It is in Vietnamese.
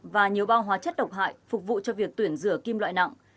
và nhiều bao hóa chất độc hại phục vụ cho việc tuyển rửa kim loại nặng